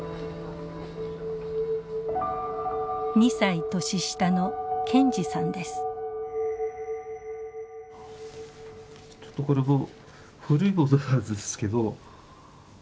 ２歳年下のちょっとこれも古いものなんですけど。